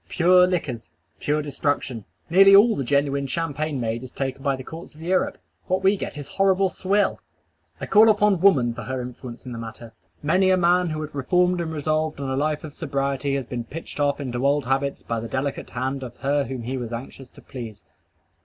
"Pure liquors:" pure destruction! Nearly all the genuine champagne made is taken by the courts of Europe. What we get is horrible swill! I call upon woman for her influence in the matter. Many a man who had reformed and resolved on a life of sobriety has been pitched off into old habits by the delicate hand of her whom he was anxious to please.